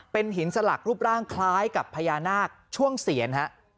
เป็นหินสลักรูปร่างคล้ายกับพญานาคช่วงเสียนฮะ